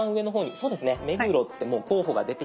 そうです。